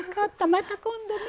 また今度ね。